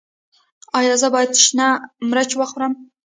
ایا زه باید شنه مرچ وخورم؟